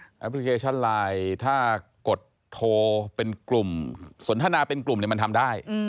แอปพลิเคชันไลน์ถ้ากดโทรเป็นกลุ่มสนทนาเป็นกลุ่มมันทำได้